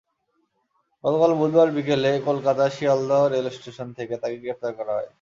গতকাল বুধবার বিকেলে কলকাতার শিয়ালদহ রেলস্টেশন থেকে তাঁকে গ্রেপ্তার করা হয়।